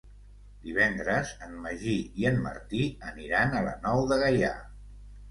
Divendres en Magí i en Martí aniran a la Nou de Gaià.